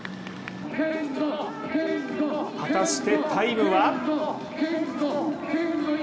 果たしてタイムは？